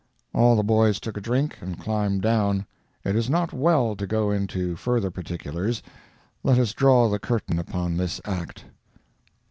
All the boys took a drink and climbed down. It is not well to go into further particulars. Let us draw the curtain upon this act.